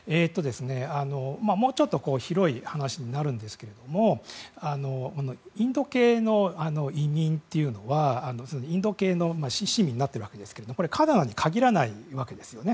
もうちょっと広い話になるんですけどもインド系の移民というのはインド系の市民になっているわけですがカナダに限らないわけですよね。